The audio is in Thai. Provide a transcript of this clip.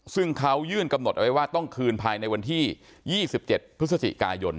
ซึ่งเขายื่นกำหนดเอาไว้ว่าต้องคืนภายในวันที่๒๗พฤศจิกายน